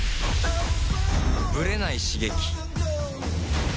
ブレない刺激